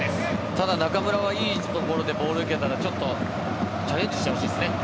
ただ、中村はいい所でボールを受けたらちょっとチャレンジしてほしいですよね。